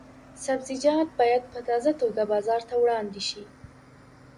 سبزیجات باید په تازه توګه بازار ته وړاندې شي.